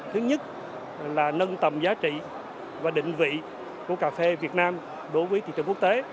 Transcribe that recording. thứ nhất là nâng tầm giá trị và định vị của cà phê việt nam đối với thị trường quốc tế